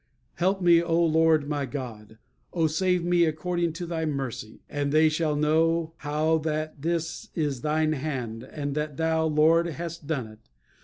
Help me, O Lord my God: O save me according to thy mercy; and they shall know how that this is thine hand, and that thou, Lord, hast done it.